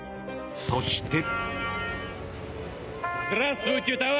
そして。